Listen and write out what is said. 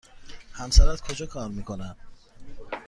همسرت کجا کار می کند؟